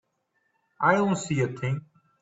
I don't see a thing.